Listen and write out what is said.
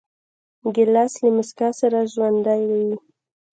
ګیلاس له موسکا سره ژوندی وي.